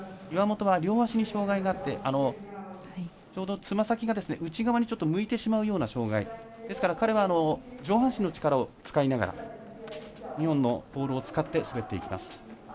岩本は両足に障がいがあってちょうどつま先が内側に向いてしまうような障がい、ですから彼は上半身の力を使いながら２本のポールを使って滑っていきます。